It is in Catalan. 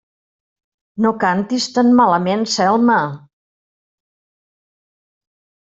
No cantis tan malament, Selma!